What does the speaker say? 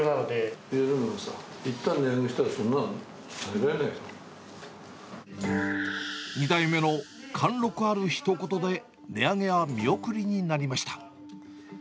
でもさ、いったん値上げしたら、２代目の貫禄あるひと言で、値上げは見送りになりました。